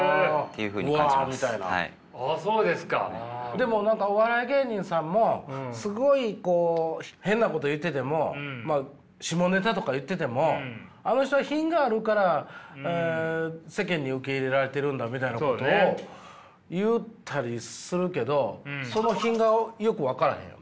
でも何かお笑い芸人さんもすごいこう変なこと言ってても下ネタとか言っててもあの人は品があるから世間に受け入れられてるんだみたいなことを言ったりするけどその品がよく分からへんよね。